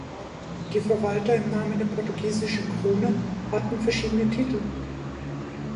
Die Verwalter im Namen der portugiesischen Krone hatten verschiedene Titel.